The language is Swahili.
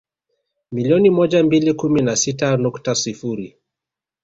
Milioni moja mbili kumi na sita nukta sifuri